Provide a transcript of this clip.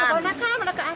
keponakan anak ke atas